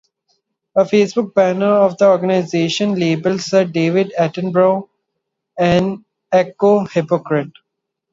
A Facebook banner for the organisation labelled Sir David Attenborough and "eco hypocrite".